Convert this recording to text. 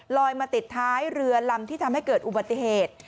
ลอยมาติดท้ายเรือลำที่ทำให้เกิดอุบัติเหตุ